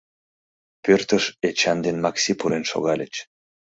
Пӧртыш Эчан ден Макси пурен шогальыч.